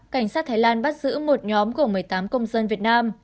cảnh sát thái lan bắt giữ một nhóm gồm một mươi tám công dân việt nam